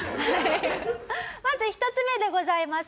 まず１つ目でございます。